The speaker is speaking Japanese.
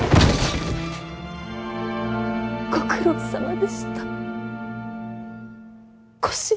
ご苦労さまでした小四郎。